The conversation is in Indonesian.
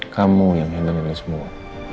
kamu yang menghilangkan semua